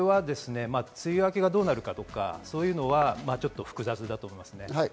梅雨明けがどうなるかとか、そういうのは複雑だと思いますね。